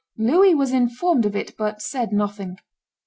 Louis was informed of it, but said nothing.